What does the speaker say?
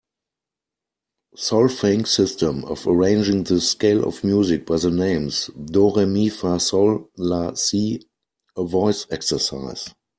Solfaing system of arranging the scale of music by the names do, re, mi, fa, sol, la, si a voice exercise.